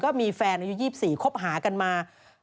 ก็มีแฟนอายุ๒๔คบหากันมา